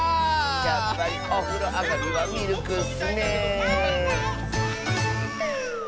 やっぱりおふろあがりはミルクッスねえ。